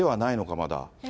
まだ。